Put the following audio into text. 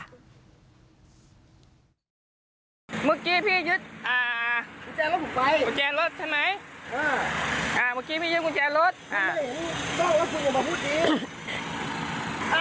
ตอนแรกนึกว่าเรื่องจะจบแล้วแต่ยังไม่จบค่ะ